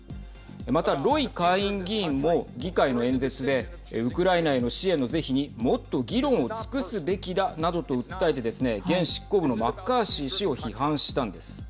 またロイ下院議員も議会の演説でウクライナへの支援の是非にもっと議論を尽くすべきだなどと訴えてですね現執行部のマッカーシー氏を批判したんです。